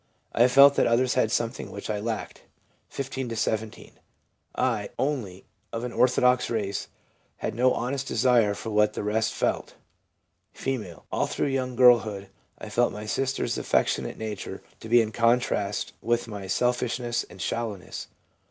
I felt that others had something which I lacked (15 to 17). I, only, of an orthodox race, had no honest desire for what the rest felt/ F. ' All through young girlhood I felt my sister's affectionate nature to be in contrast with my selfishness and shallow ness.